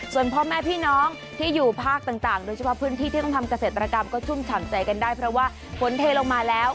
ส่วนพ่อแม่พี่น้องที่อยู่ภาคต่างโดยเฉพาะพื้นที่ที่ต้องทำเกษตรกรรมก็ชุ่มฉ่ำใจกันได้เพราะว่าฝนเทลงมาแล้ว